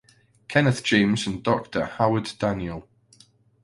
Kenneth James and Doctor Howard Daniel.